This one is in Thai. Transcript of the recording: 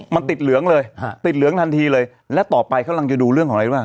มันติดเหลืองเลยฮะติดเหลืองทันทีเลยและต่อไปเขากำลังจะดูเรื่องของอะไรรู้ป่